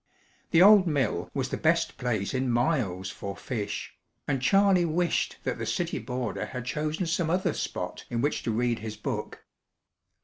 The old mill was the best place in miles for fish, and Charley wished that the city boarder had chosen some other spot in which to read his book.